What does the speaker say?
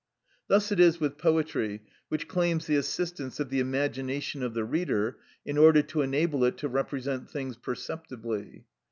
Thus it is with poetry, which claims the assistance of the imagination of the reader, in order to enable it to represent things perceptibly.